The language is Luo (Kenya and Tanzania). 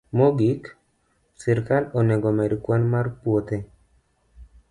Mogik, sirkal onego omed kwan mar puothe